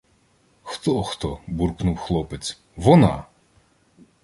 — Хто, хто! — буркнув хлопець. — Вона!